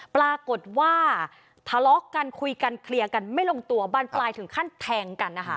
ปรากฏว่าทะเลาะกันคุยกันเคลียร์กันไม่ลงตัวบานปลายถึงขั้นแทงกันนะคะ